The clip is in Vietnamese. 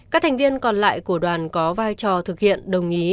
các thành viên còn lại của đoàn có vai trò thực hiện đồng ý